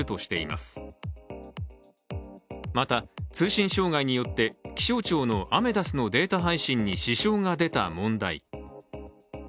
また、通信障害によって気象庁のアメダスのデータ配信に支障が出た問題。